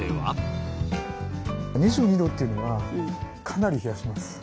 ２２度というのはかなり冷やします。